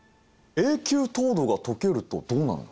永久凍土が溶けるとどうなるの？